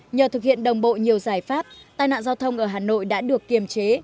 nhờ thực hiện đồng bộ nhiều giải pháp tai nạn giao thông ở hà nội đã được kiềm chế